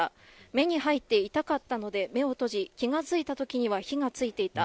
目に入って痛かったので目を閉じ、気が付いたときには火がついていた。